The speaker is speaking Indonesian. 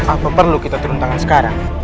apa perlu kita turun tangan sekarang